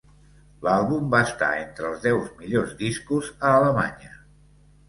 L'àlbum va estar entre els deu millors discos a Alemanya.